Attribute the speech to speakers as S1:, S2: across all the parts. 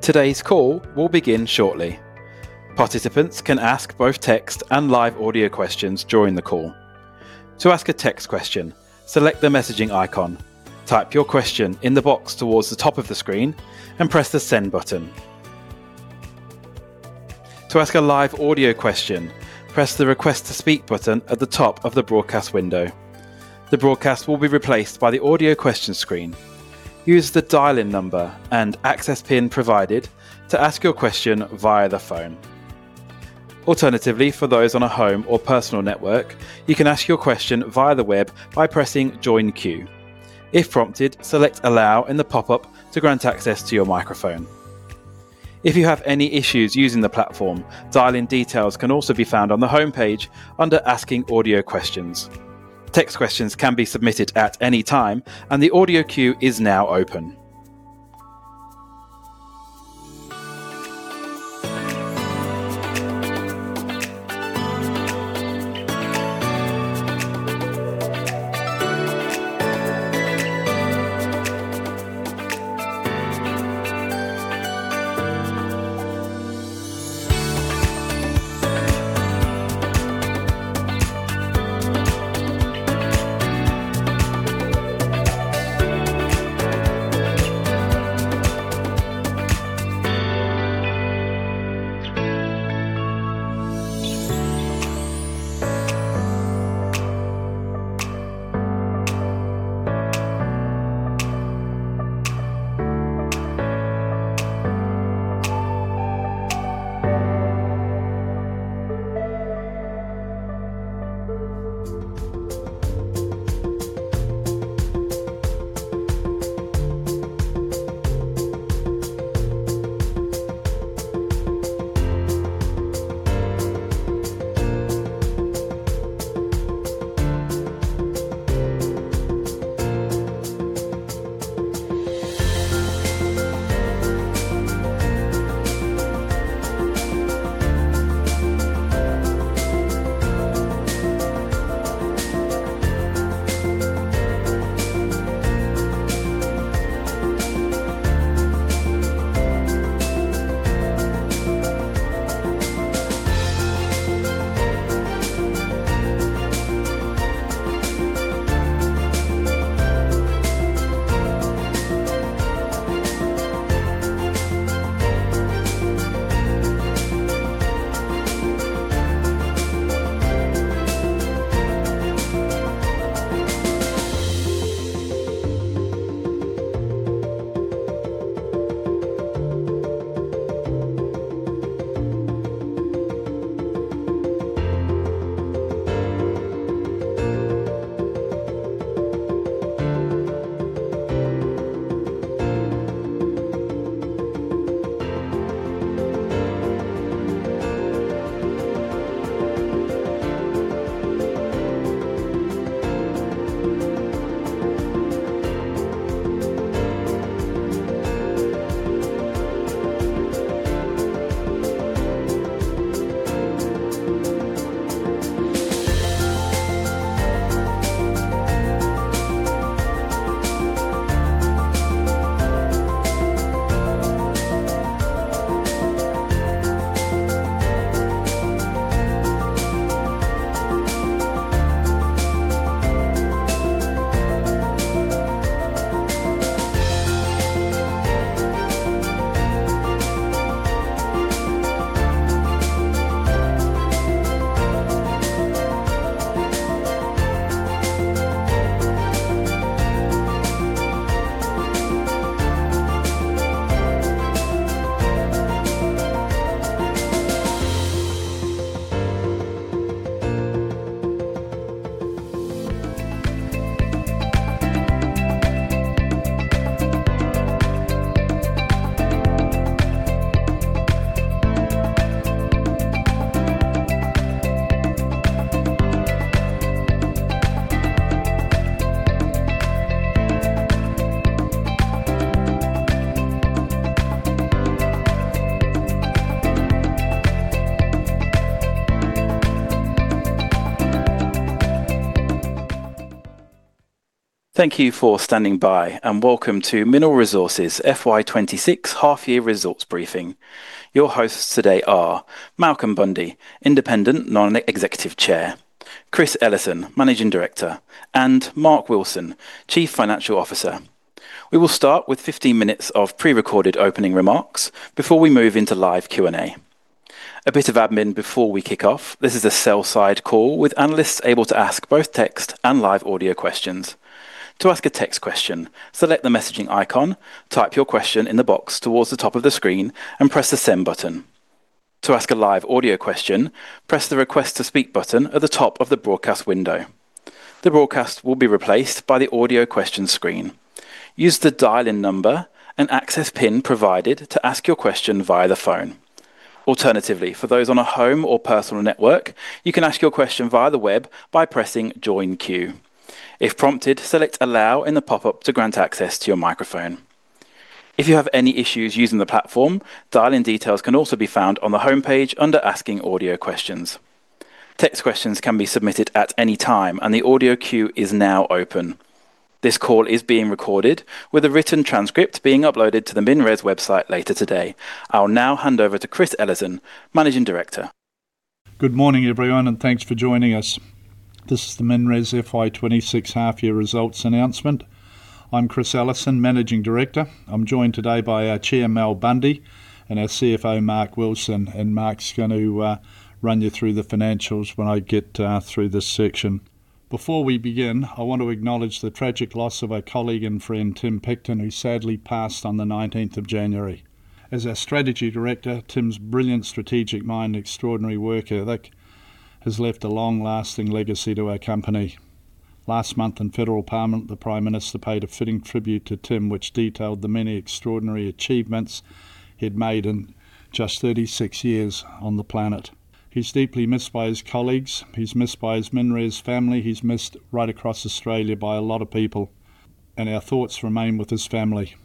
S1: Today's call will begin shortly. Participants can ask both text and live audio questions during the call. To ask a text question, select the messaging icon, type your question in the box towards the top of the screen, and press the Send button. To ask a live audio question, press the Request to Speak button at the top of the broadcast window. The broadcast will be replaced by the audio question screen. Use the dial-in number and access PIN provided to ask your question via the phone. Alternatively, for those on a home or personal network, you can ask your question via the web by pressing Join Queue. If prompted, select Allow in the pop-up to grant access to your microphone. If you have any issues using the platform, dial-in details can also be found on the homepage under Asking Audio Questions. Text questions can be submitted at any time, and the audio queue is now open. Thank you for standing by, and welcome to Mineral Resources FY 2024 half year results briefing. Your hosts today are Malcolm Bundey, Independent Non-Executive Chair, Chris Ellison, Managing Director, and Mark Wilson, Chief Financial Officer. We will start with 15 minutes of pre-recorded opening remarks before we move into live Q&A. A bit of admin before we kick off. This is a sell-side call, with analysts able to ask both text and live audio questions. To ask a text question, select the messaging icon, type your question in the box towards the top of the screen, and press the Send button. To ask a live audio question, press the Request to Speak button at the top of the broadcast window. The broadcast will be replaced by the audio question screen. Use the dial-in number and access PIN provided to ask your question via the phone. Alternatively, for those on a home or personal network, you can ask your question via the web by pressing Join Queue. If prompted, select Allow in the pop-up to grant access to your microphone. If you have any issues using the platform, dial-in details can also be found on the homepage under Asking Audio Questions.... Text questions can be submitted at any time, and the audio queue is now open. This call is being recorded with a written transcript being uploaded to the MinRes website later today. I'll now hand over to Chris Ellison, Managing Director.
S2: Good morning, everyone, and thanks for joining us. This is the MinRes FY 2024 half year results announcement. I'm Chris Ellison, Managing Director. I'm joined today by our Chair, Malcolm Bundey, and our CFO, Mark Wilson, and Mark's going to run you through the financials when I get through this section. Before we begin, I want to acknowledge the tragic loss of our colleague and friend, Tim Picton, who sadly passed on the nineteenth of January. As our Strategy Director, Tim's brilliant strategic mind, extraordinary work ethic has left a long-lasting legacy to our company. Last month in Federal Parliament, the Prime Minister paid a fitting tribute to Tim, which detailed the many extraordinary achievements he'd made in just 36 years on the planet. He's deeply missed by his colleagues. He's missed by his MinRes family. He's missed right across Australia by a lot of people, and our thoughts remain with his family.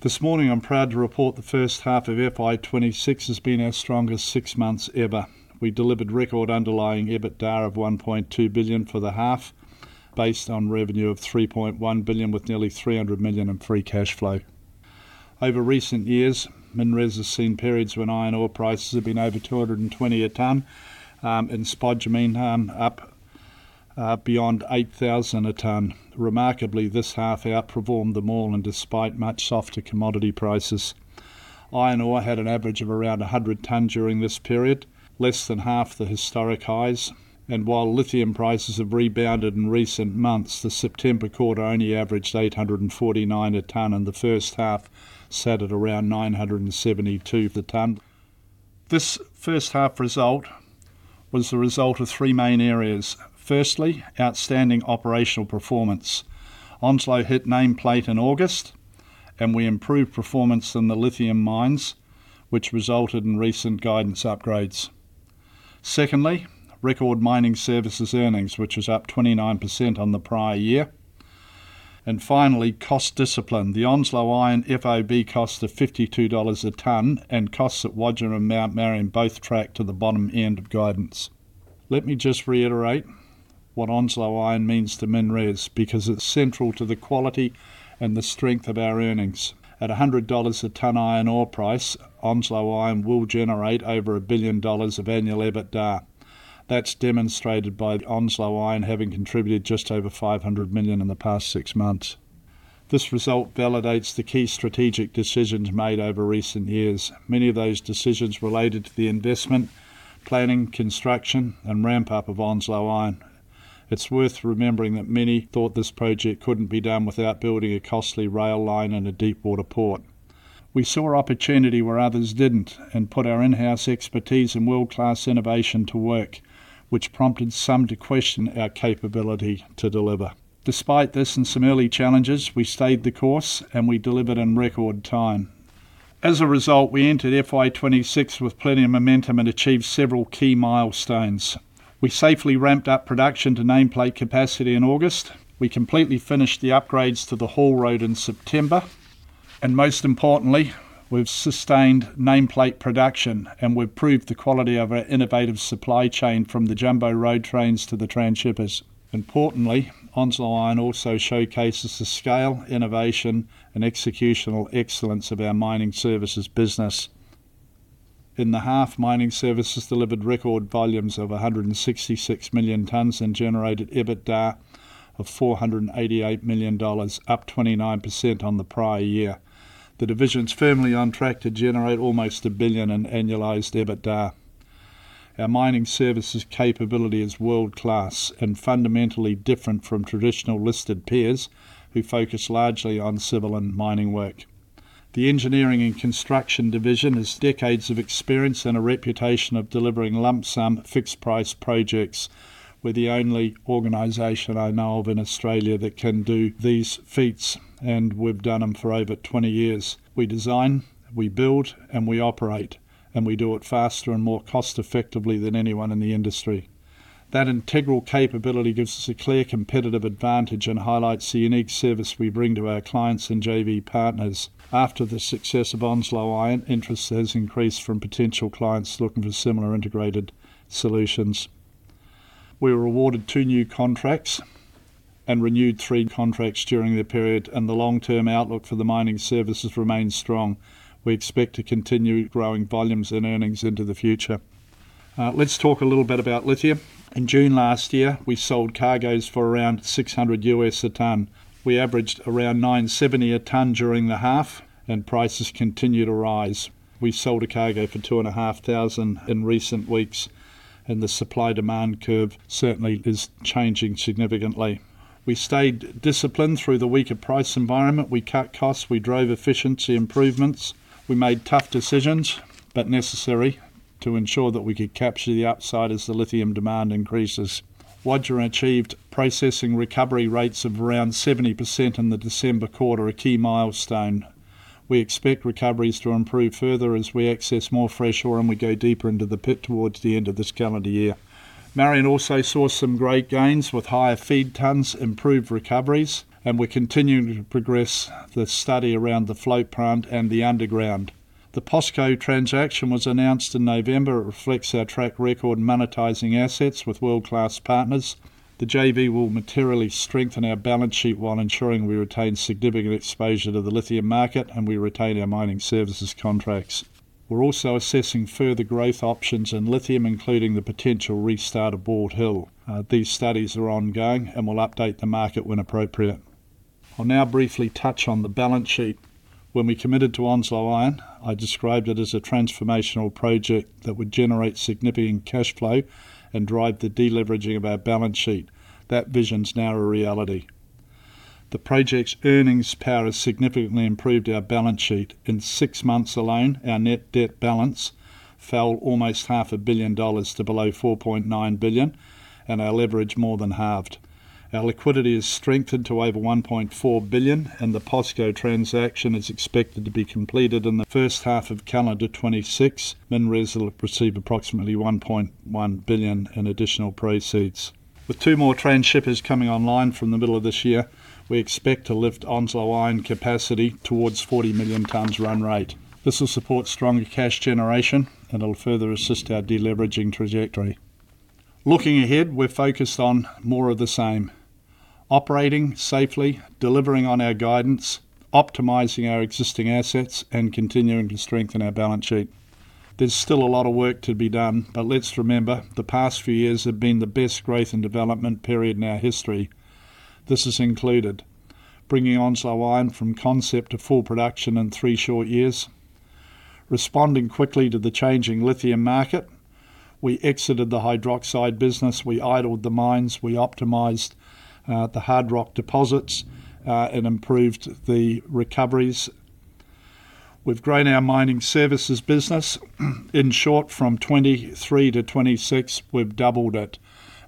S2: This morning, I'm proud to report the first half of FY 2024 has been our strongest six months ever. We delivered record underlying EBITDA of AUD 1.2 billion for the half, based on revenue of AUD 3.1 billion, with nearly AUD 300 million in free cash flow. Over recent years, MinRes has seen periods when iron ore prices have been over $220 a tonne, and spodumene up beyond $8,000 a tonne. Remarkably, this half outperformed them all, and despite much softer commodity prices. Iron ore had an average of around $100/tonne during this period, less than half the historic highs, and while lithium prices have rebounded in recent months, the September quarter only averaged $849/tonne, and the first half sat at around $972/tonne. This first half result was the result of three main areas. Firstly, outstanding operational performance. Onslow hit nameplate in August, and we improved performance in the lithium mines, which resulted in recent guidance upgrades. Secondly, record mining services earnings, which was up 29% on the prior year. And finally, cost discipline. The Onslow Iron FOB cost of $52/tonne, and costs at Wodgina and Mount Marion both tracked to the bottom end of guidance. Let me just reiterate what Onslow Iron means to MinRes, because it's central to the quality and the strength of our earnings. At a $100/tonne iron ore price, Onslow Iron will generate over 1 billion dollars of annual EBITDA. That's demonstrated by the Onslow Iron having contributed just over 500 million in the past six months. This result validates the key strategic decisions made over recent years. Many of those decisions related to the investment, planning, construction, and ramp-up of Onslow Iron. It's worth remembering that many thought this project couldn't be done without building a costly rail line and a deep water port. We saw opportunity where others didn't and put our in-house expertise and world-class innovation to work, which prompted some to question our capability to deliver. Despite this and some early challenges, we stayed the course, and we delivered in record time. As a result, we entered FY 2024 with plenty of momentum and achieved several key milestones. We safely ramped up production to nameplate capacity in August. We completely finished the upgrades to the haul road in September, and most importantly, we've sustained nameplate production and we've proved the quality of our innovative supply chain, from the jumbo road trains to the transhippers. Importantly, Onslow Iron also showcases the scale, innovation, and executional excellence of our mining services business. In the half, mining services delivered record volumes of 166 million tonnes and generated EBITDA of 488 million dollars, up 29% on the prior year. The division's firmly on track to generate almost a billion in annualized EBITDA. Our mining services capability is world-class and fundamentally different from traditional listed peers, who focus largely on civil and mining work. The engineering and construction division has decades of experience and a reputation of delivering lump sum, fixed price projects. We're the only organization I know of in Australia that can do these feats, and we've done them for over 20 years. We design, we build, and we operate, and we do it faster and more cost-effectively than anyone in the industry. That integral capability gives us a clear competitive advantage and highlights the unique service we bring to our clients and JV partners. After the success of Onslow Iron, interest has increased from potential clients looking for similar integrated solutions. We were awarded 2 new contracts and renewed 3 contracts during the period, and the long-term outlook for the mining services remains strong. We expect to continue growing volumes and earnings into the future. Let's talk a little bit about lithium. In June last year, we sold cargoes for around $600 a tonne. We averaged around $970 a tonne during the half, and prices continued to rise. We sold a cargo for $2,500 in recent weeks, and the supply-demand curve certainly is changing significantly. We stayed disciplined through the weaker price environment. We cut costs, we drove efficiency improvements. We made tough decisions, but necessary to ensure that we could capture the upside as the lithium demand increases. Wodgina achieved processing recovery rates of around 70% in the December quarter, a key milestone. We expect recoveries to improve further as we access more fresh ore and we go deeper into the pit towards the end of this calendar year. Marion also saw some great gains with higher feed tonnes, improved recoveries, and we're continuing to progress the study around the float plant and the underground. The POSCO transaction was announced in November. It reflects our track record in monetizing assets with world-class partners. The JV will materially strengthen our balance sheet while ensuring we retain significant exposure to the lithium market, and we retain our mining services contracts. We're also assessing further growth options in lithium, including the potential restart of Bald Hill. These studies are ongoing, and we'll update the market when appropriate. I'll now briefly touch on the balance sheet. When we committed to Onslow Iron, I described it as a transformational project that would generate significant cash flow and drive the de-leveraging of our balance sheet. That vision's now a reality. The project's earnings power has significantly improved our balance sheet. In six months alone, our net debt balance fell almost 500 million dollars to below 4.9 billion, and our leverage more than halved. Our liquidity is strengthened to over 1.4 billion, and the POSCO transaction is expected to be completed in the first half of calendar 2026. MinRes will have received approximately 1.1 billion in additional proceeds. With two more transhippers coming online from the middle of this year, we expect to lift Onslow Iron capacity towards 40 million tonnes run rate. This will support stronger cash generation and will further assist our de-leveraging trajectory. Looking ahead, we're focused on more of the same: operating safely, delivering on our guidance, optimizing our existing assets, and continuing to strengthen our balance sheet. There's still a lot of work to be done, but let's remember, the past few years have been the best growth and development period in our history. This has included bringing Onslow Iron from concept to full production in three short years. Responding quickly to the changing lithium market, we exited the hydroxide business, we idled the mines, we optimized the hard rock deposits and improved the recoveries. We've grown our mining services business. In short, from 2023 to 2026, we've doubled it,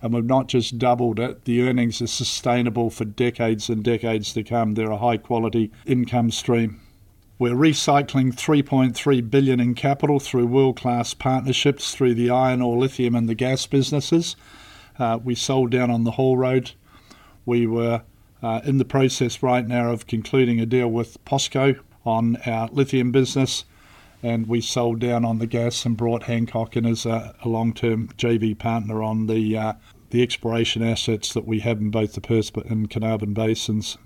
S2: and we've not just doubled it, the earnings are sustainable for decades and decades to come. They're a high-quality income stream. We're recycling 3.3 billion in capital through world-class partnerships through the iron ore, lithium, and the gas businesses. We sold down on the haul road. We were in the process right now of concluding a deal with POSCO on our lithium business, and we sold down on the gas and brought Hancock in as a long-term JV partner on the exploration assets that we have in both the Perth and Carnarvon Basins.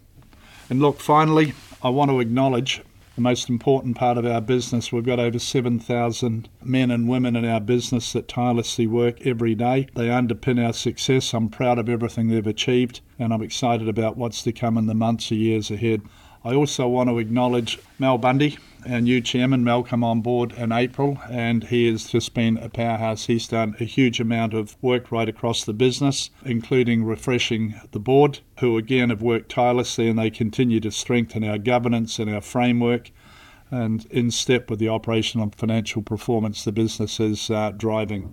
S2: And look, finally, I want to acknowledge the most important part of our business. We've got over 7,000 men and women in our business that tirelessly work every day. They underpin our success. I'm proud of everything they've achieved, and I'm excited about what's to come in the months and years ahead. I also want to acknowledge Mal Bundey, our new chairman. Mal came on board in April, and he has just been a powerhouse. He's done a huge amount of work right across the business, including refreshing the board, who, again, have worked tirelessly, and they continue to strengthen our governance and our framework, and in step with the operational and financial performance the business is driving.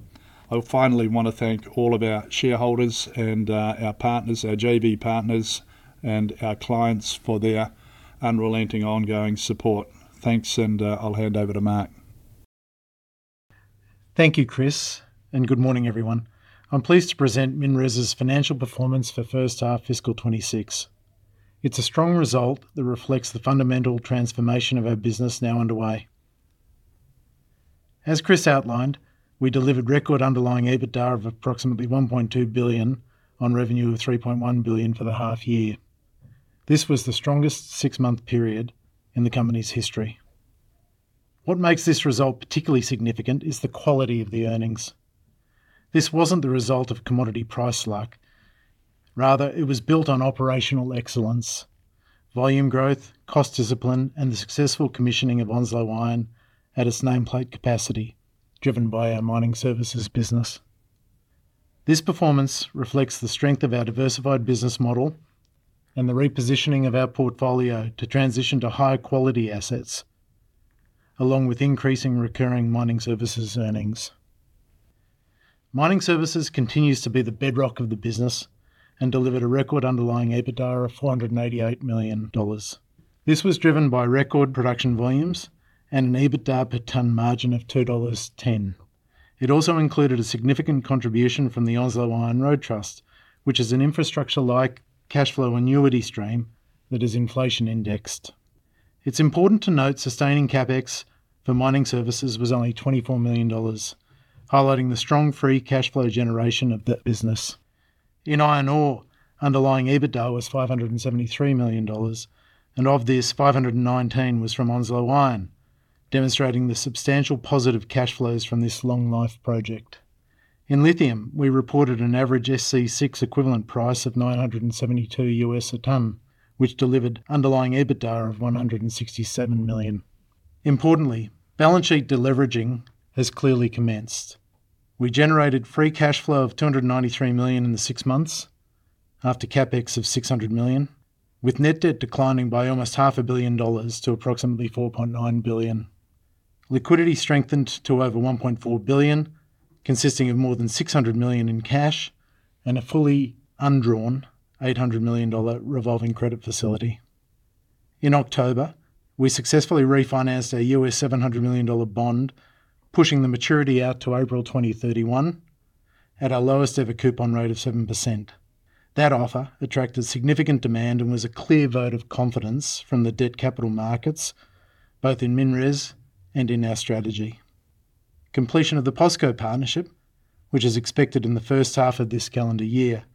S2: I finally want to thank all of our shareholders and our partners, our JV partners, and our clients for their unrelenting, ongoing support. Thanks, and I'll hand over to Mark.
S3: Thank you, Chris, and good morning, everyone. I'm pleased to present MinRes's financial performance for first half fiscal 2024. It's a strong result that reflects the fundamental transformation of our business now underway. As Chris outlined, we delivered record underlying EBITDA of approximately 1.2 billion on revenue of 3.1 billion for the half year. This was the strongest six-month period in the company's history. What makes this result particularly significant is the quality of the earnings. This wasn't the result of commodity price luck. Rather, it was built on operational excellence, volume growth, cost discipline, and the successful commissioning of Onslow Iron at its nameplate capacity, driven by our mining services business. This performance reflects the strength of our diversified business model and the repositioning of our portfolio to transition to higher quality assets, along with increasing recurring mining services earnings. Mining services continues to be the bedrock of the business and delivered a record underlying EBITDA of 488 million dollars. This was driven by record production volumes and an EBITDA per tonne margin of 2.10 dollars. It also included a significant contribution from the Onslow Iron Road Trust, which is an infrastructure-like cashflow annuity stream that is inflation-indexed. It's important to note, Sustaining CapEx for mining services was only 24 million dollars, highlighting the strong free cash flow generation of the business. In iron ore, underlying EBITDA was 573 million dollars, and of this, 519 million was from Onslow Iron, demonstrating the substantial positive cash flows from this long-life project. In lithium, we reported an average SC6 equivalent price of $972 per tonne, which delivered underlying EBITDA of 167 million. Importantly, balance sheet de-leveraging has clearly commenced. We generated free cash flow of 293 million in the six months after CapEx of 600 million, with net debt declining by almost 500 million dollars to approximately 4.9 billion. Liquidity strengthened to over 1.4 billion, consisting of more than 600 million in cash and a fully undrawn 800 million dollar revolving credit facility. In October, we successfully refinanced our US$700 million dollar bond, pushing the maturity out to April 2031, at our lowest-ever coupon rate of 7%. That offer attracted significant demand and was a clear vote of confidence from the debt capital markets, both in MinRes and in our strategy. Completion of the POSCO partnership, which is expected in the first half of this calendar year,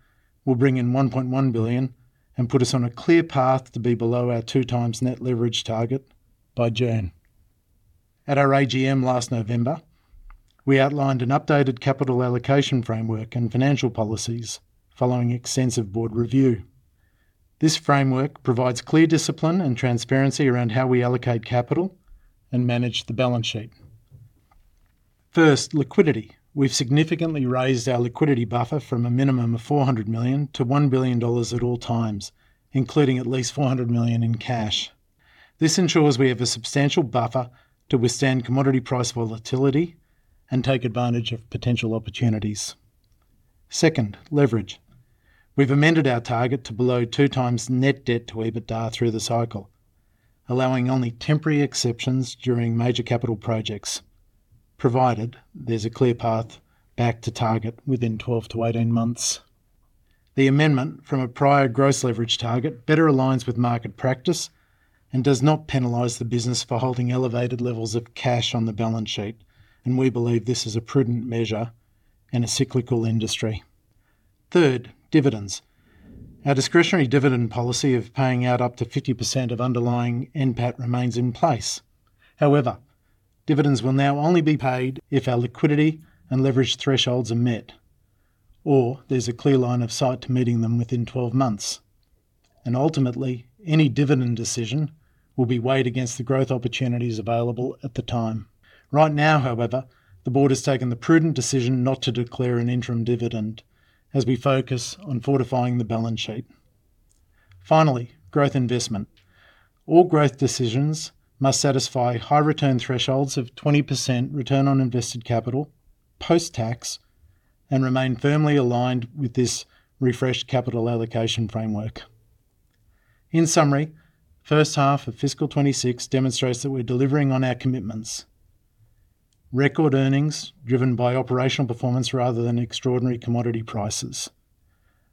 S3: will bring in 1.1 billion and put us on a clear path to be below our 2x net leverage target by Jan. At our AGM last November, we outlined an updated capital allocation framework and financial policies following extensive board review. This framework provides clear discipline and transparency around how we allocate capital and manage the balance sheet. First, liquidity. We've significantly raised our liquidity buffer from a minimum of 400 million to 1 billion dollars at all times, including at least 400 million in cash. This ensures we have a substantial buffer to withstand commodity price volatility and take advantage of potential opportunities. Second, leverage. We've amended our target to below 2x net debt to EBITDA through the cycle, allowing only temporary exceptions during major capital projects, provided there's a clear path back to target within 12-18 months. The amendment from a prior gross leverage target better aligns with market practice and does not penalize the business for holding elevated levels of cash on the balance sheet, and we believe this is a prudent measure in a cyclical industry. Third, dividends. Our discretionary dividend policy of paying out up to 50% of underlying NPAT remains in place. However, dividends will now only be paid if our liquidity and leverage thresholds are met, or there's a clear line of sight to meeting them within 12 months, and ultimately, any dividend decision will be weighed against the growth opportunities available at the time. Right now, however, the board has taken the prudent decision not to declare an interim dividend as we focus on fortifying the balance sheet. Finally, growth investment. All growth decisions must satisfy high return thresholds of 20% return on invested capital, post-tax, and remain firmly aligned with this refreshed capital allocation framework. In summary, first half of fiscal 2024 demonstrates that we're delivering on our commitments. Record earnings driven by operational performance rather than extraordinary commodity prices,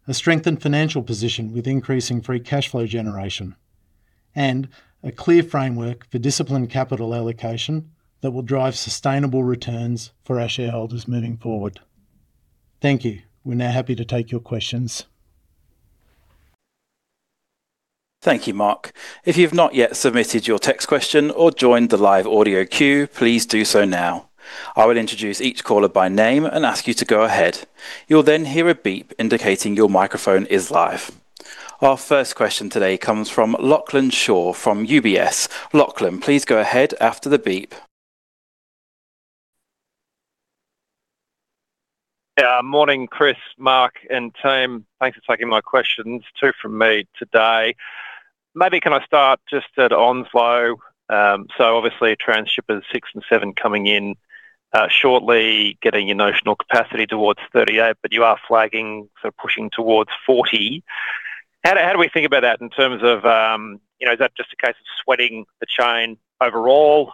S3: a strengthened financial position with increasing free cash flow generation, and a clear framework for disciplined capital allocation that will drive sustainable returns for our shareholders moving forward. Thank you. We're now happy to take your questions.
S1: Thank you, Mark. If you've not yet submitted your text question or joined the live audio queue, please do so now. I will introduce each caller by name and ask you to go ahead. You'll then hear a beep indicating your microphone is live. Our first question today comes from Lachlan Shaw from UBS. Lachlan, please go ahead after the beep.
S4: Yeah. Morning, Chris, Mark, and team. Thanks for taking my questions. Two from me today. Maybe can I start just at Onslow? So obviously, transhippers 6 and 7 coming in shortly, getting your nameplate capacity towards 38, but you are flagging for pushing towards 40. How do, how do we think about that in terms of, you know, is that just a case of sweating the chain overall?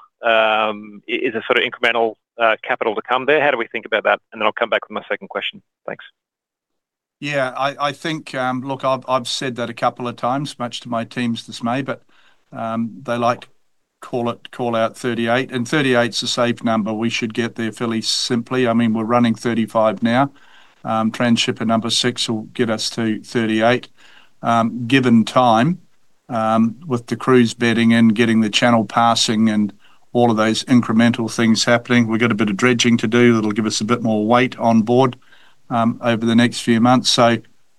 S4: Is there sort of incremental capital to come there? How do we think about that? And then I'll come back with my second question. Thanks.
S2: Yeah, I think, look, I've said that a couple of times, much to my team's dismay, but they like call it, call out 38, and 38's a safe number. We should get there fairly simply. I mean, we're running 35 now. Transhipper number six will get us to 38. Given time, with the crews bedding in, getting the channel passing, and all of those incremental things happening, we've got a bit of dredging to do that'll give us a bit more weight on board, over the next few months. So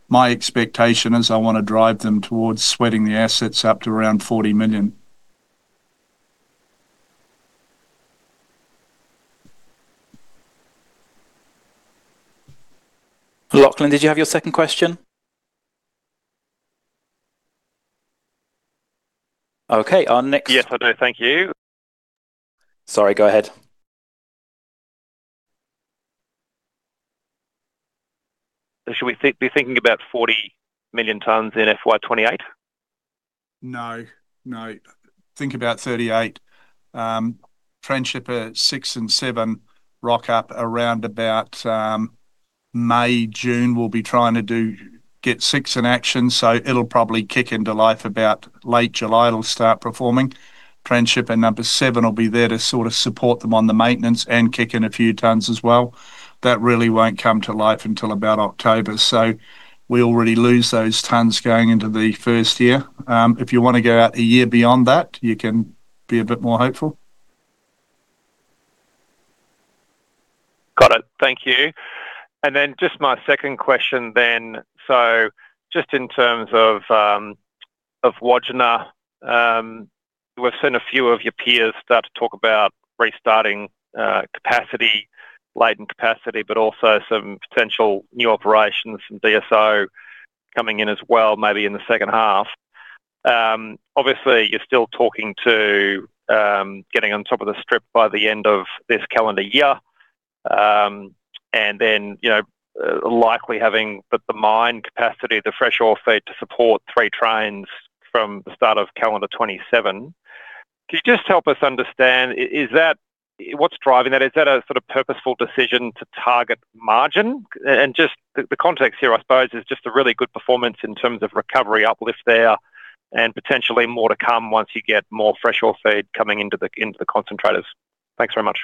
S2: my expectation is I wanna drive them towards sweating the assets up to around 40 million.
S1: Lachlan, did you have your second question? Okay, our next-
S4: Yes, I do. Thank you.
S1: Sorry, go ahead.
S4: Should we think, be thinking about 40 million tonnes in FY 2028?
S2: No, no. Think about 38. Transhipper six and seven rock up around about May, June. We'll be trying to get six in action, so it'll probably kick into life about late July. It'll start performing. Transhipper number seven will be there to sort of support them on the maintenance and kick in a few tonnes as well. That really won't come to life until about October, so we already lose those tonnes going into the first year. If you wanna go out a year beyond that, you can be a bit more hopeful.
S4: Got it. Thank you. And then just my second question then. So just in terms of of Wodgina, we've seen a few of your peers start to talk about restarting capacity, latent capacity, but also some potential new operations and DSO coming in as well, maybe in the second half. Obviously, you're still talking to getting on top of the strip by the end of this calendar year. And then, you know, likely having the mine capacity, the fresh ore feed to support three trains from the start of calendar 2027. Can you just help us understand, is that what's driving that? Is that a sort of purposeful decision to target margin? Just the context here, I suppose, is just a really good performance in terms of recovery uplift there, and potentially more to come once you get more fresh ore feed coming into the concentrators. Thanks very much.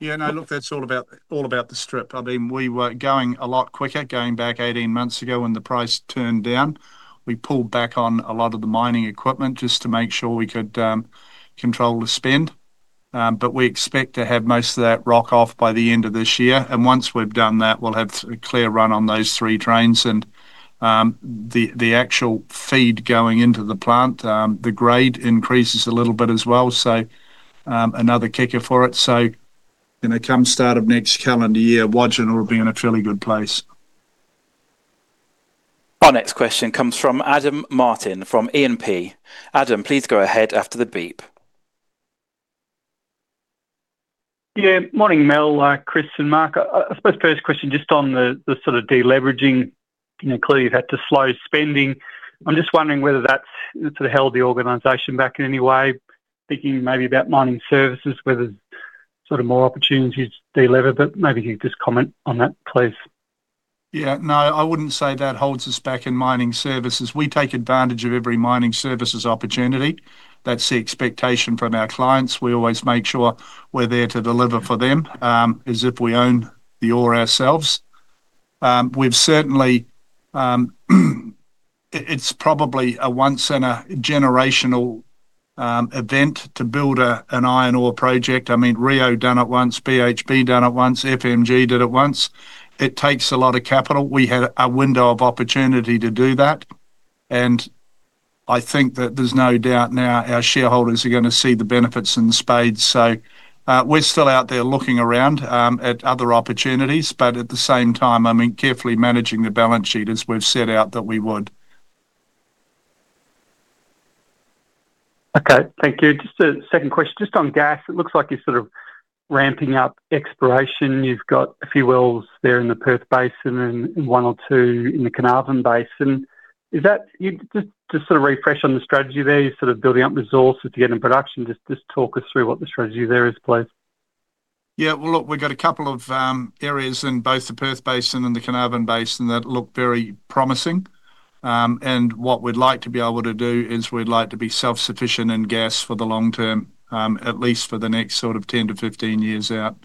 S2: Yeah, no, look, that's all about, all about the strip. I mean, we were going a lot quicker, going back 18 months ago when the price turned down. We pulled back on a lot of the mining equipment just to make sure we could control the spend. But we expect to have most of that rock off by the end of this year, and once we've done that, we'll have a clear run on those three trains, and the actual feed going into the plant, the grade increases a little bit as well, so another kicker for it. So, you know, come start of next calendar year, Wodgina will be in a truly good place.
S1: Our next question comes from Adam Martin, from E&P. Adam, please go ahead after the beep.
S5: Yeah, morning, Mal, Chris, and Mark. I suppose first question, just on the sort of deleveraging. You know, clearly you've had to slow spending. I'm just wondering whether that's sort of held the organization back in any way, thinking maybe about mining services, whether there's sort of more opportunities to delever, but maybe you could just comment on that, please.
S2: Yeah, no, I wouldn't say that holds us back in mining services. We take advantage of every mining services opportunity. That's the expectation from our clients. We always make sure we're there to deliver for them, as if we own the ore ourselves. We've certainly, it's probably a once-in-a-generational event to build an iron ore project. I mean, Rio done it once, BHP done it once, FMG did it once. It takes a lot of capital. We had a window of opportunity to do that, and I think that there's no doubt now our shareholders are gonna see the benefits in spades. So, we're still out there looking around at other opportunities, but at the same time, I mean, carefully managing the balance sheet as we've set out that we would.
S5: Okay. Thank you. Just a second question, just on gas. It looks like you're sort of ramping up exploration. You've got a few wells there in the Perth Basin and one or two in the Carnarvon Basin. Is that... You, just, just to sort of refresh on the strategy there, you're sort of building up resources to get in production. Just, just talk us through what the strategy there is, please.
S2: Yeah, well, look, we've got a couple of areas in both the Perth Basin and the Carnarvon Basin that look very promising. And what we'd like to be able to do is we'd like to be self-sufficient in gas for the long term, at least for the next sort of 10-15 years out.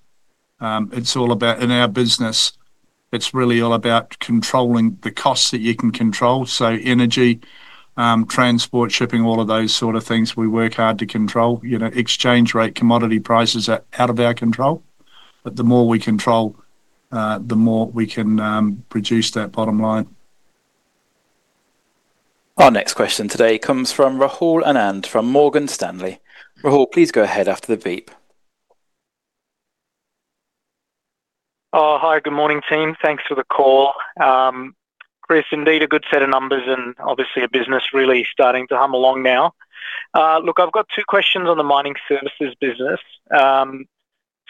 S2: It's all about, in our business, it's really all about controlling the costs that you can control, so energy, transport, shipping, all of those sort of things, we work hard to control. You know, exchange rate, commodity prices are out of our control, but the more we control, the more we can reduce that bottom line.
S1: Our next question today comes from Rahul Anand, from Morgan Stanley. Rahul, please go ahead after the beep.
S6: Hi, good morning, team. Thanks for the call. Chris, indeed, a good set of numbers and obviously a business really starting to hum along now. Look, I've got two questions on the mining services business.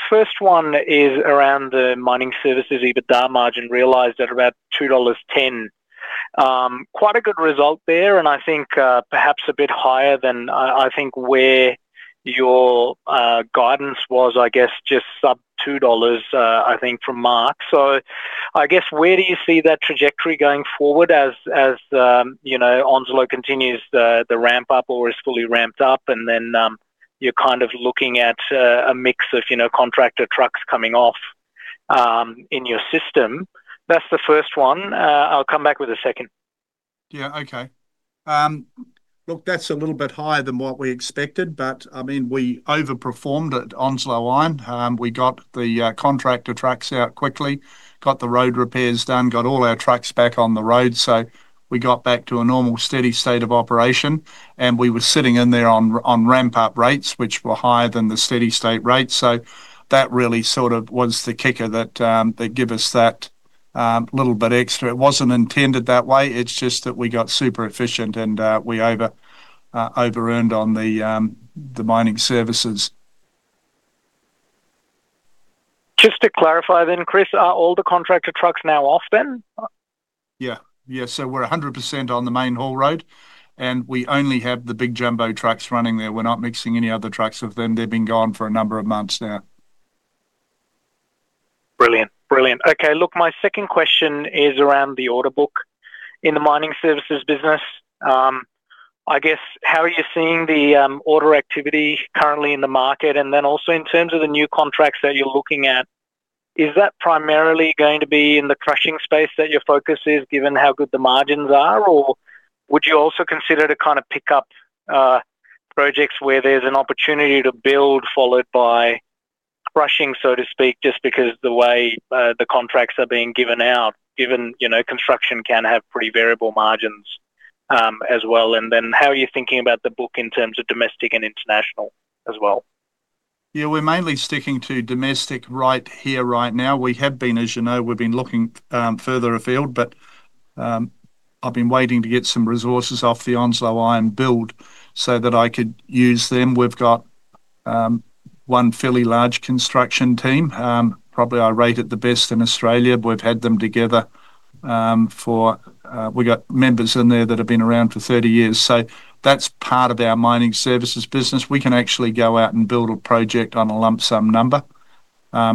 S6: First one is around the mining services EBITDA margin realized at about 2.10 dollars. Quite a good result there, and I think perhaps a bit higher than I think where your guidance was, I guess, just sub 2 dollars, I think from Mark. So I guess, where do you see that trajectory going forward as, you know, Onslow continues the ramp up or is fully ramped up, and then you're kind of looking at a mix of, you know, contractor trucks coming off in your system? That's the first one. I'll come back with a second.
S2: Yeah, okay. Look, that's a little bit higher than what we expected, but, I mean, we overperformed at Onslow Mine. We got the contractor trucks out quickly, got the road repairs done, got all our trucks back on the road, so we got back to a normal, steady state of operation. And we were sitting in there on ramp-up rates, which were higher than the steady state rates, so that really sort of was the kicker that that give us that little bit extra. It wasn't intended that way. It's just that we got super efficient and we overearned on the mining services.
S6: Just to clarify then, Chris, are all the contractor trucks now off then?
S2: Yeah. Yeah, so we're 100% on the main haul road, and we only have the big jumbo trucks running there. We're not mixing any other trucks with them. They've been gone for a number of months now.
S6: Brilliant. Brilliant. Okay, look, my second question is around the order book in the mining services business. I guess, how are you seeing the order activity currently in the market? And then also, in terms of the new contracts that you're looking at, is that primarily going to be in the crushing space that your focus is, given how good the margins are? Or would you also consider to kind of pick up projects where there's an opportunity to build, followed by crushing, so to speak, just because the way the contracts are being given out, given, you know, construction can have pretty variable margins, as well? And then, how are you thinking about the book in terms of domestic and international as well?
S2: Yeah, we're mainly sticking to domestic right here, right now. We have been, as you know, we've been looking further afield, but I've been waiting to get some resources off the Onslow Iron build so that I could use them. We've got one fairly large construction team, probably I rate it the best in Australia. We've had them together for we got members in there that have been around for 30 years. So that's part of our mining services business. We can actually go out and build a project on a lump sum number.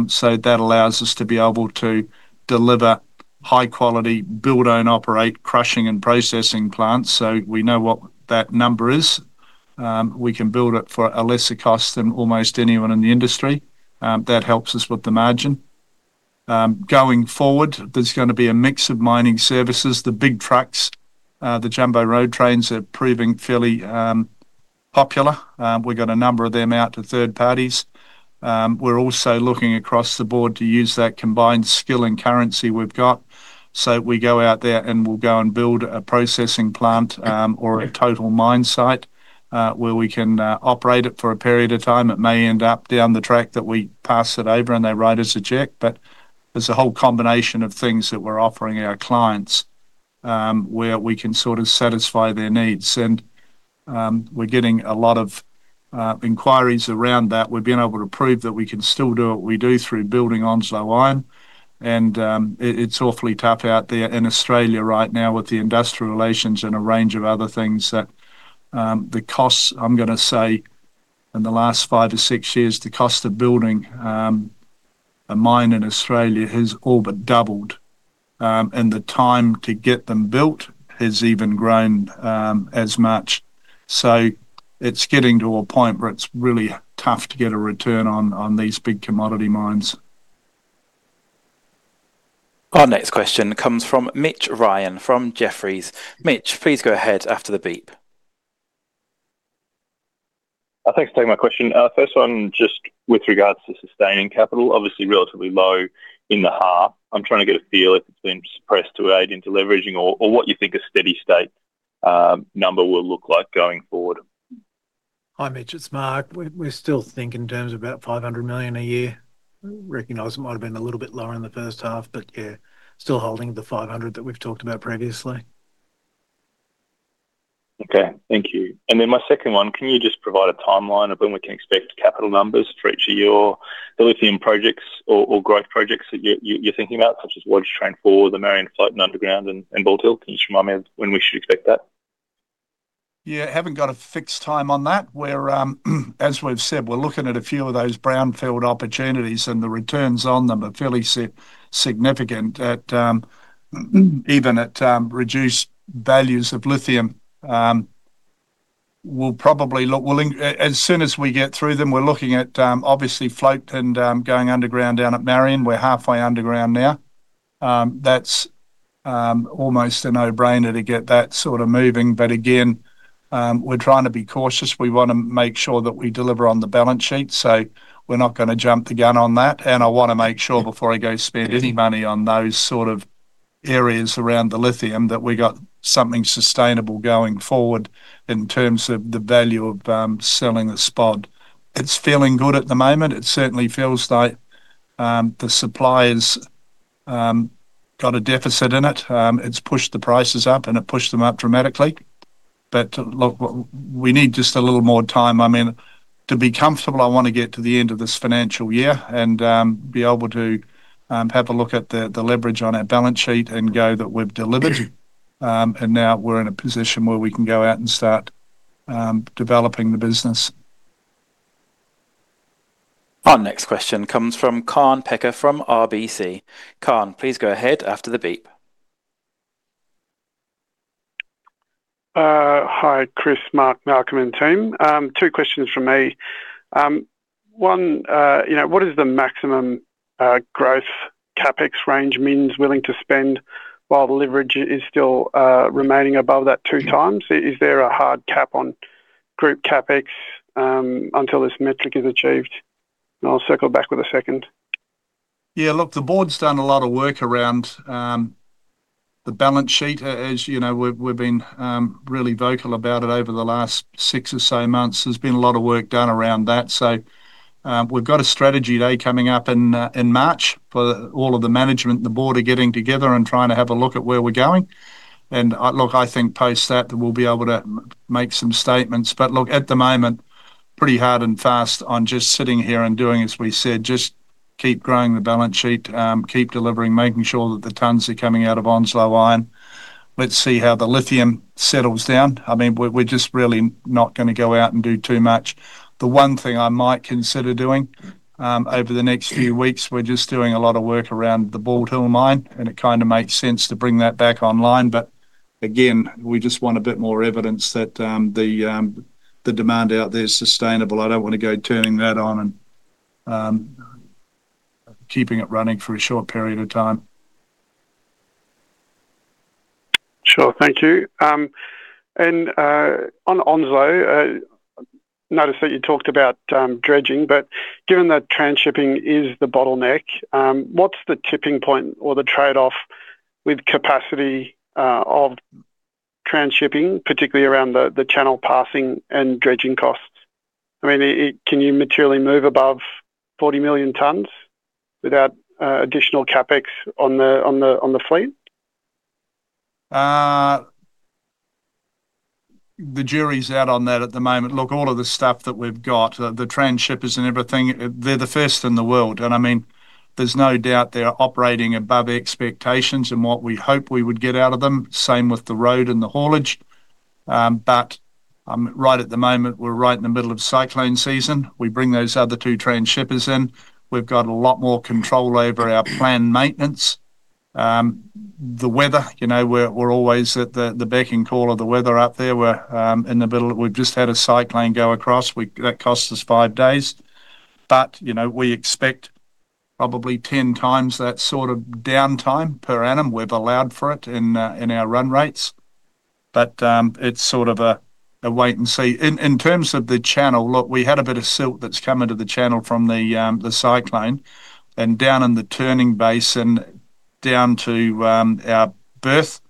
S2: So that allows us to be able to deliver high quality, build, own, operate, crushing and processing plants, so we know what that number is. We can build it for a lesser cost than almost anyone in the industry, that helps us with the margin. Going forward, there's gonna be a mix of mining services. The big trucks, the jumbo road trains are proving fairly popular. We've got a number of them out to third parties. We're also looking across the board to use that combined skill and currency we've got. So we go out there, and we'll go and build a processing plant, or a total mine site, where we can operate it for a period of time. It may end up down the track that we pass it over, and they write us a check, but there's a whole combination of things that we're offering our clients, where we can sort of satisfy their needs. We're getting a lot of inquiries around that. We've been able to prove that we can still do what we do through building Onslow Iron, and it's awfully tough out there in Australia right now with the industrial relations and a range of other things, the costs. I'm gonna say in the last 5-6 years, the cost of building a mine in Australia has all but doubled, and the time to get them built has even grown as much. So it's getting to a point where it's really tough to get a return on these big commodity mines.
S1: Our next question comes from Mitch Ryan, from Jefferies. Mitch, please go ahead after the beep.
S7: Thanks for taking my question. First one, just with regards to sustaining capital, obviously relatively low in the half. I'm trying to get a feel if it's been suppressed to aid in deleveraging or, or what you think a steady state number will look like going forward.
S3: Hi, Mitch, it's Mark. We're, we're still thinking in terms of about 500 million a year. Recognize it might have been a little bit lower in the first half, but yeah, still holding the 500 that we've talked about previously.
S7: Okay, thank you. And then my second one, can you just provide a timeline of when we can expect capital numbers for each of your lithium projects or growth projects that you're thinking about, such as Wodgina Train Four, the Mount Marion float and underground, and Bald Hill? Can you just remind me of when we should expect that?
S2: Yeah. Haven't got a fixed time on that, where, as we've said, we're looking at a few of those brownfield opportunities, and the returns on them are fairly significant at, even at, reduced values of lithium. We'll probably look as soon as we get through them, we're looking at, obviously float and, going underground down at Marion. We're halfway underground now. That's almost a no-brainer to get that sort of moving, but again, we're trying to be cautious. We wanna make sure that we deliver on the balance sheet, so we're not gonna jump the gun on that, and I wanna make sure before I go spend any money on those sort of areas around the lithium, that we got something sustainable going forward in terms of the value of, selling the spot. It's feeling good at the moment. It certainly feels like the supply has got a deficit in it. It's pushed the prices up, and it pushed them up dramatically. But, look, we need just a little more time. I mean, to be comfortable, I wanna get to the end of this financial year and be able to have a look at the leverage on our balance sheet and go that we've delivered, and now we're in a position where we can go out and start developing the business.
S1: Our next question comes from Kaan Peker, from RBC. Kaan, please go ahead after the beep.
S8: Hi, Chris, Mark, Malcolm, and team. Two questions from me. One, you know, what is the maximum growth CapEx range Min is willing to spend while the leverage is still remaining above that two times? Is there a hard cap on group CapEx until this metric is achieved? I'll circle back with the second.
S2: Yeah, look, the board's done a lot of work around the balance sheet. As you know, we've, we've been really vocal about it over the last six or so months. There's been a lot of work done around that. So, we've got a strategy day coming up in in March for all of the management, the board are getting together and trying to have a look at where we're going. And, look, I think post that, we'll be able to make some statements. But look, at the moment, pretty hard and fast on just sitting here and doing as we said, just keep growing the balance sheet, keep delivering, making sure that the tonnes are coming out of Onslow Iron. Let's see how the lithium settles down. I mean, we're, we're just really not gonna go out and do too much. The one thing I might consider doing, over the next few weeks, we're just doing a lot of work around the Bald Hill mine, and it kind of makes sense to bring that back online. But again, we just want a bit more evidence that the demand out there is sustainable. I don't want to go turning that on and keeping it running for a short period of time.
S8: Sure. Thank you. And on Onslow, I noticed that you talked about dredging, but given that transhipping is the bottleneck, what's the tipping point or the trade-off with capacity transhipping, particularly around the channel passing and dredging costs. I mean, can you materially move above 40 million tonnes without additional CapEx on the fleet?
S2: The jury's out on that at the moment. Look, all of the stuff that we've got, the transhippers and everything, they're the first in the world, and, I mean, there's no doubt they are operating above expectations and what we hoped we would get out of them. Same with the road and the haulage. But right at the moment, we're right in the middle of cyclone season. We bring those other two transhippers in, we've got a lot more control over our planned maintenance. The weather, you know, we're always at the beck and call of the weather up there. We're in the middle. We've just had a cyclone go across. That cost us five days. But, you know, we expect probably 10 times that sort of downtime per annum. We've allowed for it in our run rates. But, it's sort of a wait and see. In terms of the channel, look, we had a bit of silt that's come into the channel from the cyclone, and down in the turning basin, down to our berth,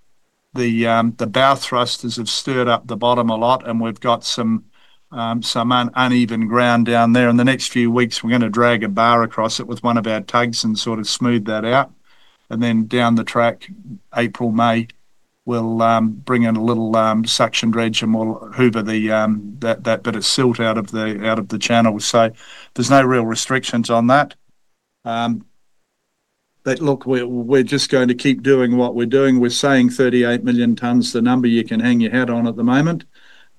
S2: the bow thrusters have stirred up the bottom a lot, and we've got some uneven ground down there. In the next few weeks, we're gonna drag a bar across it with one of our tugs and sort of smooth that out. And then down the track, April, May, we'll bring in a little suction dredge and we'll hoover that bit of silt out of the channel. So there's no real restrictions on that. But look, we're just going to keep doing what we're doing. We're saying 38 million tonnes, the number you can hang your hat on at the moment,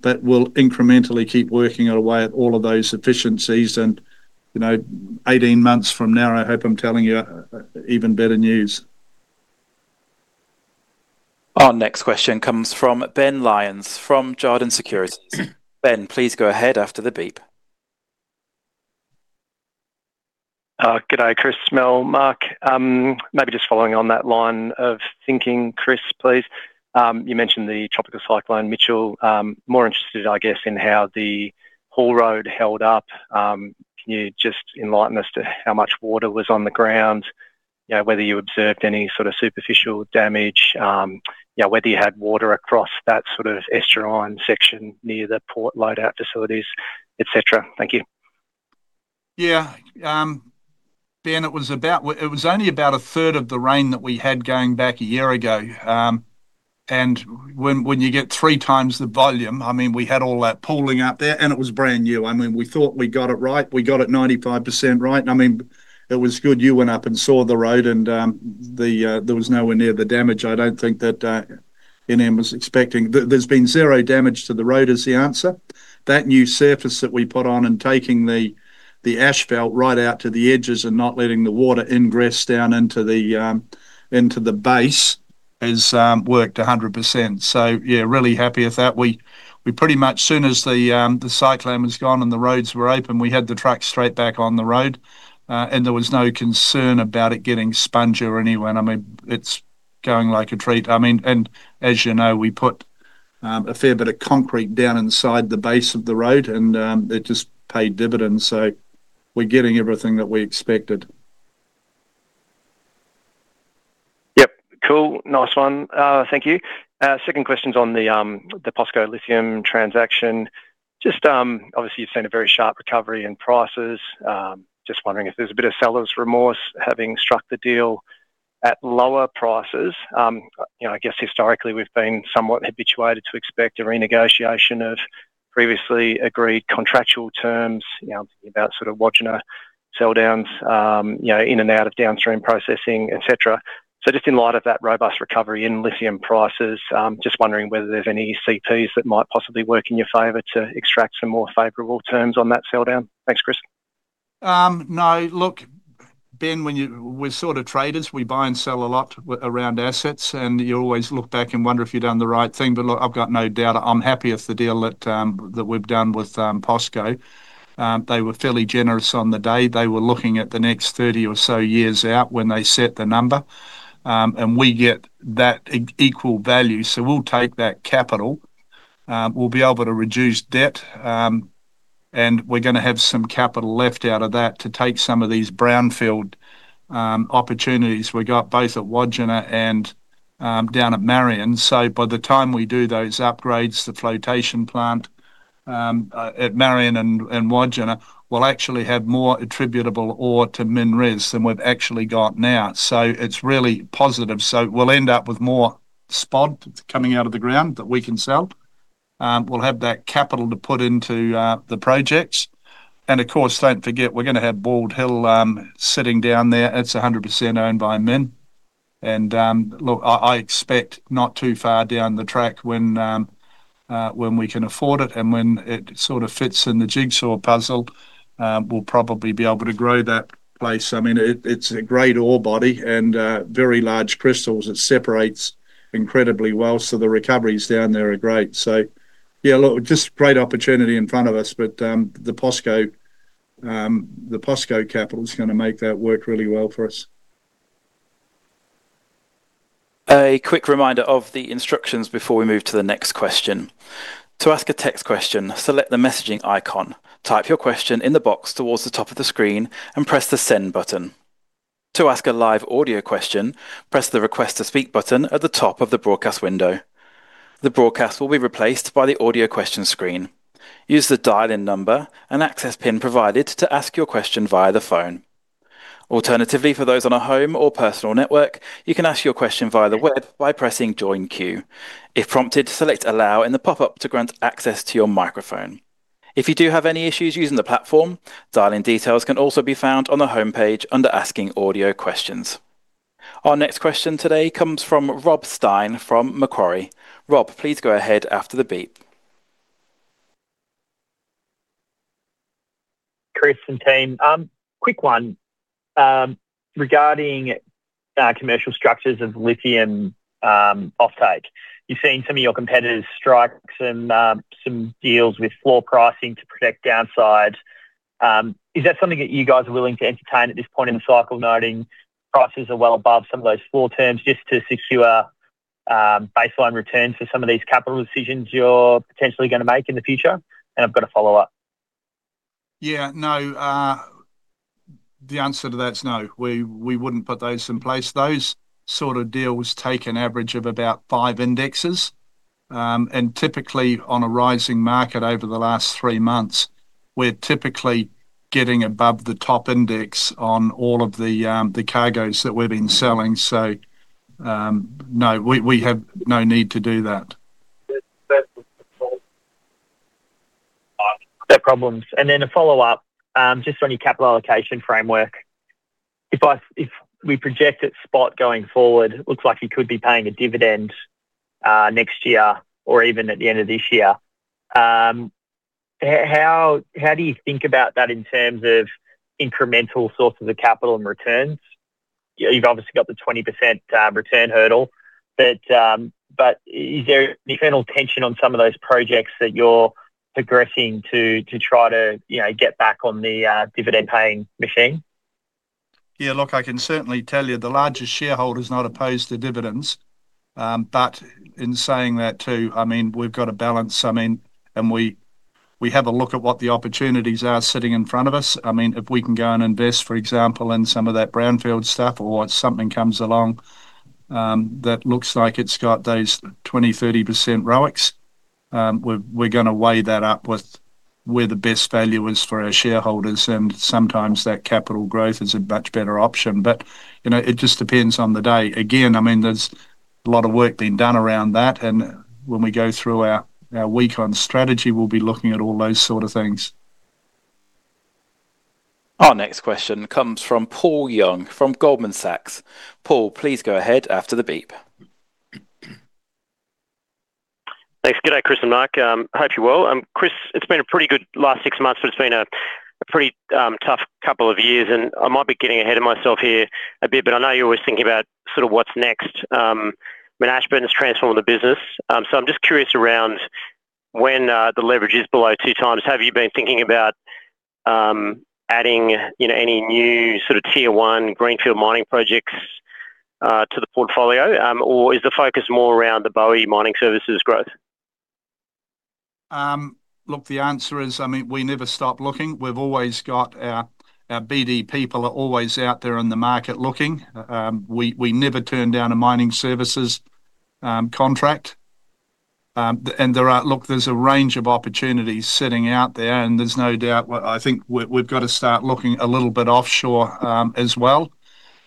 S2: but we'll incrementally keep working our way at all of those efficiencies and, you know, 18 months from now, I hope I'm telling you even better news.
S1: Our next question comes from Ben Lyons from Jarden Securities. Ben, please go ahead after the beep.
S9: Good day, Chris, Mal, Mark. Maybe just following on that line of thinking, Chris, please. You mentioned the Tropical Cyclone Mitchell. More interested, I guess, in how the haul road held up. Can you just enlighten us to how much water was on the ground? You know, whether you observed any sort of superficial damage, you know, whether you had water across that sort of estuarine section near the port loadout facilities, et cetera. Thank you.
S2: Yeah. Ben, it was about... it was only about a third of the rain that we had going back a year ago. And when you get three times the volume, I mean, we had all that pooling up there, and it was brand new. I mean, we thought we got it right. We got it 95% right, and I mean, it was good you went up and saw the road and, there was nowhere near the damage I don't think that MinRes was expecting. There's been zero damage to the road, is the answer. That new surface that we put on and taking the asphalt right out to the edges and not letting the water ingress down into the base has worked 100%. So yeah, really happy with that. We pretty much, soon as the cyclone was gone and the roads were open, we had the trucks straight back on the road, and there was no concern about it getting spongy or anyone. I mean, it's going like a treat. I mean, and as you know, we put a fair bit of concrete down inside the base of the road and, it just paid dividends, so we're getting everything that we expected.
S9: Yep. Cool. Nice one. Thank you. Second question's on the POSCO lithium transaction. Just, obviously, you've seen a very sharp recovery in prices. Just wondering if there's a bit of seller's remorse, having struck the deal at lower prices. You know, I guess historically, we've been somewhat habituated to expect a renegotiation of previously agreed contractual terms, you know, about sort of watching a sell downs, in and out of downstream processing, et cetera. So just in light of that robust recovery in lithium prices, just wondering whether there's any CPs that might possibly work in your favor to extract some more favorable terms on that sell down. Thanks, Chris.
S2: No. Look, Ben, when you... We're sort of traders. We buy and sell a lot around assets, and you always look back and wonder if you've done the right thing. But look, I've got no doubt. I'm happy with the deal that we've done with POSCO. They were fairly generous on the day. They were looking at the next 30 or so years out when they set the number, and we get that equal value. So we'll take that capital, we'll be able to reduce debt, and we're gonna have some capital left out of that to take some of these brownfield opportunities we got both at Wodgina and down at Marion. So by the time we do those upgrades, the flotation plant at Marion and Wodgina, we'll actually have more attributable ore to MinRes than we've actually got now. So it's really positive. So we'll end up with more spod coming out of the ground that we can sell. We'll have that capital to put into the projects, and of course, don't forget, we're gonna have Bald Hill sitting down there. It's 100% owned by Min. Look, I expect not too far down the track when we can afford it and when it sort of fits in the jigsaw puzzle, we'll probably be able to grow that place. I mean, it's a great ore body and very large crystals. It separates incredibly well, so the recoveries down there are great. So yeah, look, just great opportunity in front of us, but, the POSCO, the POSCO capital is gonna make that work really well for us.
S1: A quick reminder of the instructions before we move to the next question. To ask a text question, select the messaging icon, type your question in the box towards the top of the screen, and press the Send button.... To ask a live audio question, press the Request to Speak button at the top of the broadcast window. The broadcast will be replaced by the audio question screen. Use the dial-in number and access PIN provided to ask your question via the phone. Alternatively, for those on a home or personal network, you can ask your question via the web by pressing Join Queue. If prompted, select Allow in the pop-up to grant access to your microphone. If you do have any issues using the platform, dial-in details can also be found on the homepage under Asking Audio Questions. Our next question today comes from Rob Stein from Macquarie. Rob, please go ahead after the beep.
S10: Chris and team, quick one. Regarding commercial structures of lithium offtake. You've seen some of your competitors strike some deals with floor pricing to protect downsides. Is that something that you guys are willing to entertain at this point in the cycle, noting prices are well above some of those floor terms, just to secure baseline returns for some of these capital decisions you're potentially gonna make in the future? And I've got a follow-up.
S2: Yeah, no. The answer to that is no. We, we wouldn't put those in place. Those sort of deals take an average of about five indexes, and typically on a rising market over the last three months, we're typically getting above the top index on all of the, the cargoes that we've been selling. So, no, we, we have no need to do that.
S10: That's no problems. And then a follow-up, just on your capital allocation framework. If we project it spot going forward, looks like you could be paying a dividend, next year or even at the end of this year. How do you think about that in terms of incremental sources of capital and returns? You've obviously got the 20% return hurdle, but is there internal tension on some of those projects that you're progressing to try to, you know, get back on the dividend-paying machine?
S2: Yeah, look, I can certainly tell you, the largest shareholder is not opposed to dividends. But in saying that, too, I mean, we've got to balance, I mean, and we have a look at what the opportunities are sitting in front of us. I mean, if we can go and invest, for example, in some of that brownfield stuff or something comes along that looks like it's got those 20%-30% ROIC's, we're gonna weigh that up with where the best value is for our shareholders, and sometimes that capital growth is a much better option. But, you know, it just depends on the day. Again, I mean, there's a lot of work being done around that, and when we go through our week on strategy, we'll be looking at all those sort of things.
S1: Our next question comes from Paul Young, from Goldman Sachs. Paul, please go ahead after the beep.
S11: Thanks. Good day, Chris and Mike. I hope you're well. Chris, it's been a pretty good last six months, but it's been a pretty tough couple of years, and I might be getting ahead of myself here a bit, but I know you're always thinking about sort of what's next. I mean, Ashburton has transformed the business. So I'm just curious around when the leverage is below 2x, have you been thinking about adding, you know, any new sort of Tier one greenfield mining projects to the portfolio? Or is the focus more around the CSI Mining Services growth?
S2: Look, the answer is, I mean, we never stop looking. We've always got our BD people always out there in the market looking. We never turn down a Mining Services contract. Look, there's a range of opportunities sitting out there, and there's no doubt. Well, I think we've got to start looking a little bit offshore as well.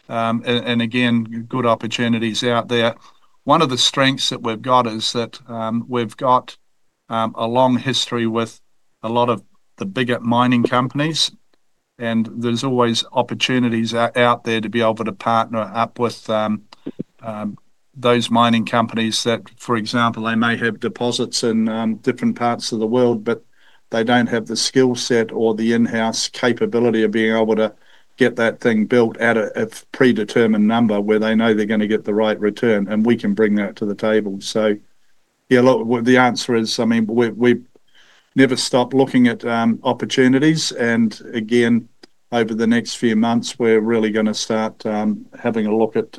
S2: And again, good opportunities out there. One of the strengths that we've got is that we've got a long history with a lot of the bigger mining companies, and there's always opportunities out there to be able to partner up with those mining companies that, for example, they may have deposits in different parts of the world, but they don't have the skill set or the in-house capability of being able to get that thing built at a predetermined number, where they know they're gonna get the right return, and we can bring that to the table. So yeah, look, well, the answer is, I mean, we've never stopped looking at opportunities, and again, over the next few months, we're really gonna start having a look at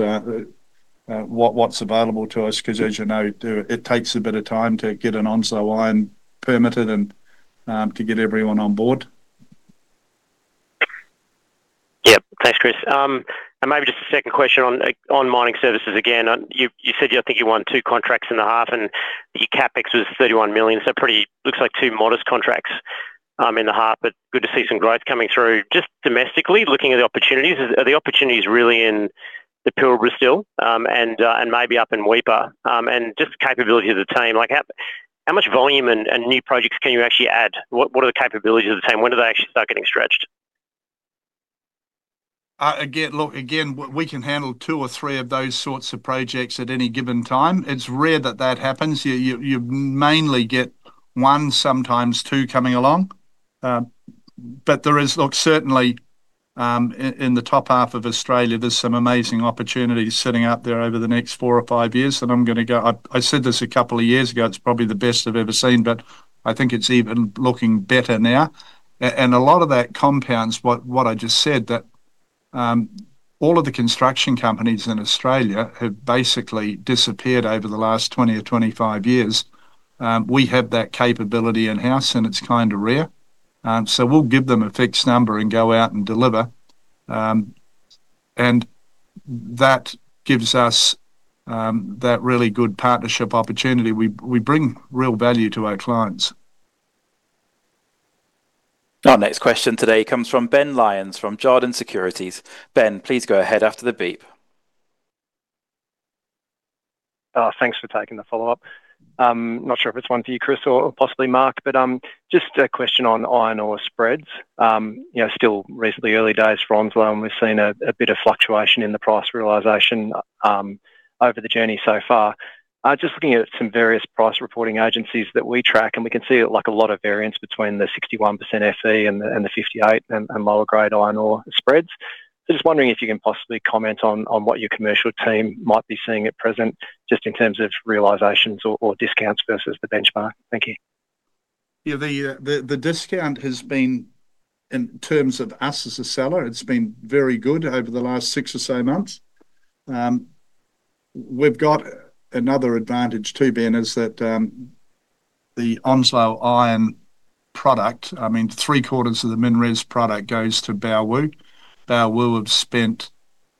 S2: what's available to us. 'Cause as you know, too, it takes a bit of time to get an Onslow permitted and, to get everyone on board.
S11: Yep. Thanks, Chris. Maybe just a second question on mining services again. You said you think you won 2 contracts in the half, and your CapEx was 31 million, so pretty looks like 2 modest contracts in the half, but good to see some growth coming through. Just domestically, looking at the opportunities, are the opportunities really in the Pilbara still, and maybe up in Weipa? Just the capability of the team, like, how much volume and new projects can you actually add? What are the capabilities of the team? When do they actually start getting stretched?
S2: Again, look, again, we can handle 2 or 3 of those sorts of projects at any given time. It's rare that that happens. You mainly get 1, sometimes 2 coming along. But there is. Look, certainly, in the top half of Australia, there's some amazing opportunities sitting out there over the next 4 or 5 years, and I'm gonna go, I said this a couple of years ago, it's probably the best I've ever seen, but I think it's even looking better now. And a lot of that compounds what I just said, that all of the construction companies in Australia have basically disappeared over the last 20 or 25 years. We have that capability in-house, and it's kind of rare. So we'll give them a fixed number and go out and deliver. That gives us that really good partnership opportunity. We bring real value to our clients.
S1: Our next question today comes from Ben Lyons, from Jarden Securities. Ben, please go ahead after the beep.
S9: Thanks for taking the follow-up. Not sure if it's one for you, Chris, or possibly Mark, but just a question on iron ore spreads. You know, still recently early days for Onslow, and we've seen a bit of fluctuation in the price realization over the journey so far. Just looking at some various price reporting agencies that we track, and we can see, like, a lot of variance between the 61% Fe and the 58% and lower grade iron ore spreads. So just wondering if you can possibly comment on what your commercial team might be seeing at present, just in terms of realizations or discounts versus the benchmark. Thank you.
S2: Yeah, the discount has been, in terms of us as a seller, it's been very good over the last six or so months. We've got another advantage too, Ben, is that, the Onslow Iron product, I mean, three-quarters of the MinRes product goes to Baowu. Baowu have spent,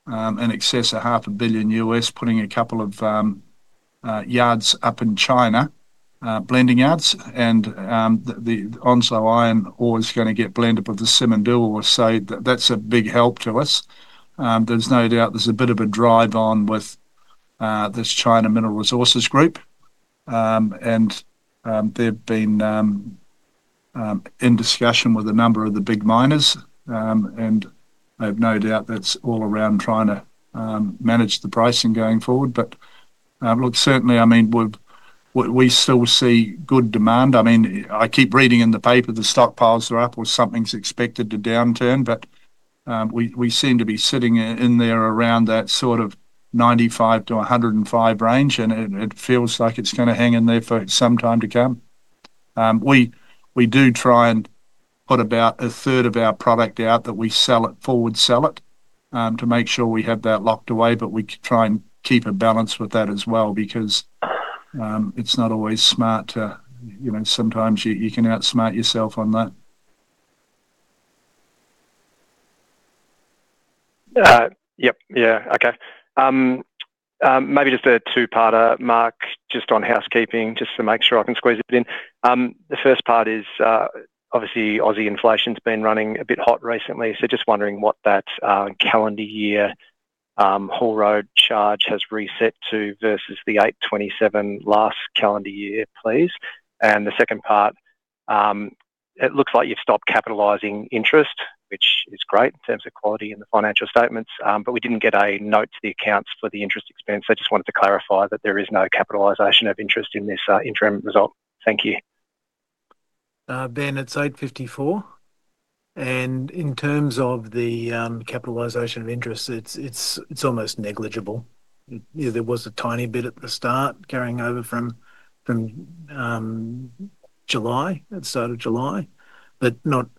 S2: in excess of $500 million, putting a couple of yards up in China, blending yards, and, the Onslow Iron ore is gonna get blended with the Simandou ore. So that's a big help to us. There's no doubt there's a bit of a drive on with this China Mineral Resources Group. And, they've been in discussion with a number of the big miners, and I have no doubt that's all around trying to manage the pricing going forward. But, look, certainly, I mean, we still see good demand. I mean, I keep reading in the paper the stockpiles are up or something's expected to downturn, but, we seem to be sitting in there around that sort of $95-$105 range, and it feels like it's gonna hang in there for some time to come. We do try and put about a third of our product out that we sell it, forward sell it, to make sure we have that locked away, but we try and keep a balance with that as well, because, it's not always smart to... You know, sometimes you can outsmart yourself on that.
S9: Yep. Yeah, okay. Maybe just a two-parter, Mark, just on housekeeping, just to make sure I can squeeze it in. The first part is, obviously, Aussie inflation's been running a bit hot recently, so just wondering what that, calendar year, Haul Road charge has reset to versus the 8.27 last calendar year, please. And the second part, it looks like you've stopped capitalizing interest, which is great in terms of quality in the financial statements, but we didn't get a note to the accounts for the interest expense. So I just wanted to clarify that there is no capitalization of interest in this, interim result. Thank you.
S3: Ben, it's 8.54, and in terms of the capitalization of interest, it's almost negligible. Yeah, there was a tiny bit at the start, carrying over from July, at the start of July, but not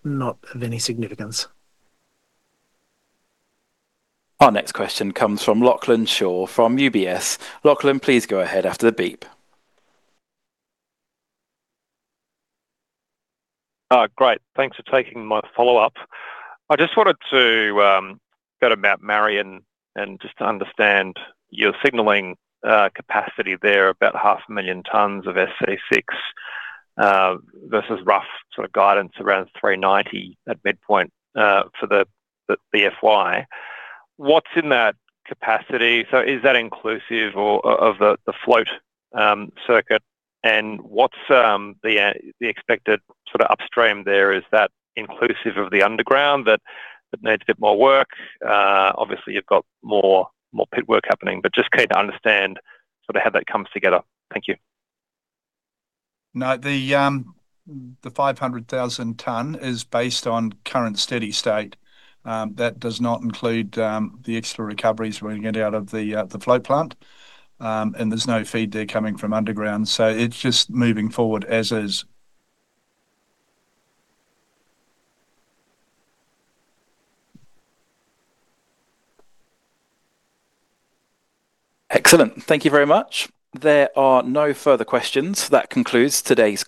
S3: of any significance.
S1: Our next question comes from Lachlan Shaw from UBS. Lachlan, please go ahead after the beep.
S4: Great. Thanks for taking my follow-up. I just wanted to go to Mount Marion, and just to understand, you're signaling capacity there, about 500,000 tonnes of SC6, versus rough sort of guidance around 390 at midpoint, for the FY. What's in that capacity? So is that inclusive of the float circuit? And what's the expected sort of upstream there, is that inclusive of the underground that needs a bit more work? Obviously, you've got more pit work happening, but just keen to understand sort of how that comes together. Thank you.
S2: No, the 500,000 tonne is based on current steady state. That does not include the extra recoveries we're gonna get out of the float plant, and there's no feed there coming from underground, so it's just moving forward as is.
S1: Excellent. Thank you very much. There are no further questions. That concludes today's-